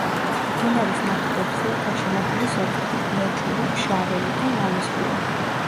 მდინარის ნაპირებზეა გაშენებული სოფლები: ლეჩური, ფშაველი და ლალისყური.